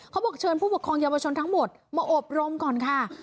เขาบอกเชิญผู้ปกครองเยาวชนทั้งหมดมาอบรมก่อนค่ะ